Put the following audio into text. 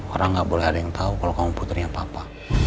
orang gak boleh ada yang tau kalau kamu puternya papa